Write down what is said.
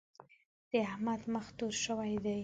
د احمد مخ تور شوی دی.